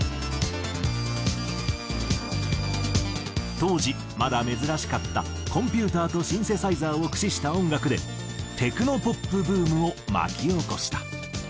当時まだ珍しかったコンピューターとシンセサイザーを駆使した音楽でテクノポップブームを巻き起こした。